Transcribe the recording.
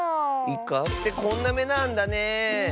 イカってこんなめなんだね。